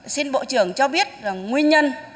xin bộ trưởng cho biết là nguyên nhân